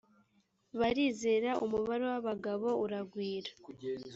barizera umubare w abagabo uragwira